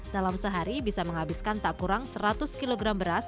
dalam sehari bisa menghabiskan tak kurang seratus kg beras